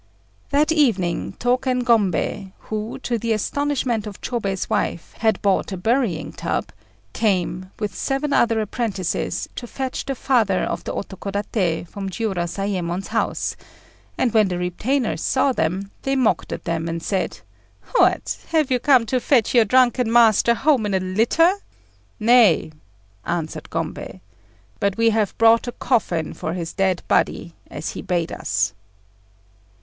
] That evening Tôken Gombei, who, to the astonishment of Chôbei's wife, had bought a burying tub, came, with seven other apprentices, to fetch the Father of the Otokodaté from Jiurozayémon's house; and when the retainers saw them, they mocked at them, and said "What, have you come to fetch your drunken master home in a litter?" "Nay," answered Gombei, "but we have brought a coffin for his dead body, as he bade us."